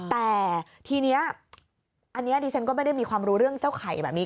แต่ทีนี้อันนี้ดิฉันก็ไม่ได้มีความรู้เรื่องเจ้าไข่แบบนี้